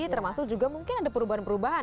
termasuk juga mungkin ada perubahan perubahan